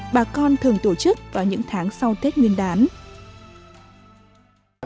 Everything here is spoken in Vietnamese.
bà con thường tổ chức vào những tháng sau tết nguyên đán